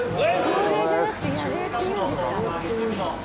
朝礼じゃなくて夜礼っていうんですか。